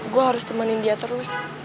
gue harus temenin dia terus